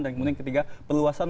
dan kemudian ketiga perluasan